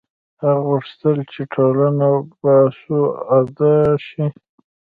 هغه غوښتل چې ټولنه باسواده شي.